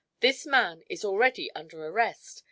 This man is already under arrest.